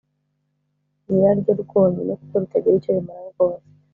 Nyiraryo rwonyine kuko ritagira icyo rimara rwose